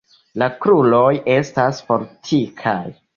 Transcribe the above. La kruroj estas fortikaj.